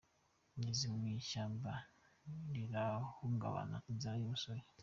Ngeze mu ishyamba rirahungabana: “Inzara y’umusore”